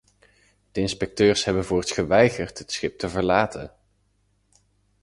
De inspecteurs hebben voorts geweigerd het schip te verlaten.